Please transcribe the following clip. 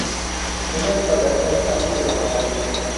Una espadaña hace de campanario.